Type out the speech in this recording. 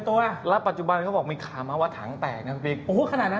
ตัวแล้วปัจจุบันเขาบอกมีขามาวทักแตกกันฟิกโอ้โห